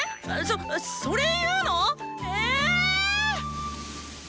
そっそれ言うの⁉え？